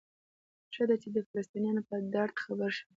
ښه ده چې د فلسطینیانو په درد خبر شوئ.